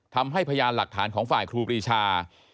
พยานหลักฐานของฝ่ายครูปรีชา